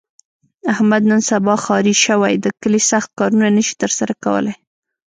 احمد نن سبا ښاري شوی، د کلي سخت کارونه نشي تر سره کولی.